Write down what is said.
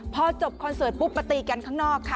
พอจบคอนเสิร์ตปุ๊บมาตีกันข้างนอกค่ะ